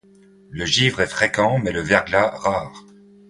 Le givre est fréquent mais le verglas rare.